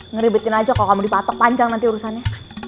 ngeribetkan saja kalau kamu dipatok panjang nanti urusannya